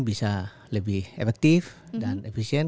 bisa lebih efektif dan efisien